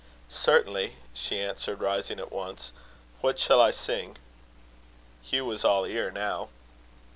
"Certainly," she answered, rising at once. "What shall I sing?" Hugh was all ear now.